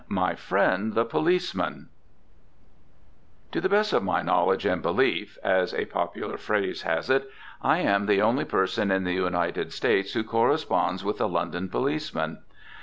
XV MY FRIEND, THE POLICEMAN To the best of my knowledge and belief (as a popular phrase has it), I am the only person in the United States who corresponds with a London policeman.